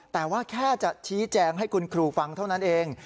แต่ว่าแค่จะชี้แจงให้คุณครูฟังเท่านั้นเอง